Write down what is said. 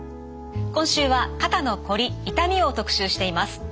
今週は「肩のこり・痛み」を特集しています。